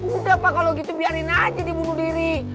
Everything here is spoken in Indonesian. udah pak kalau gitu biarin aja dia bunuh diri